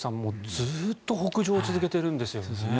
ずっと北上を続けているんですよね。